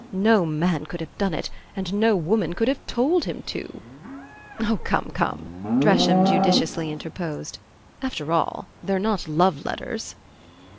No man could have done it and no woman could have told him to " "Oh, come, come," Dresham judicially interposed; "after all, they're not love letters."